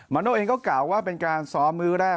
โน่เองก็กล่าวว่าเป็นการซ้อมมื้อแรก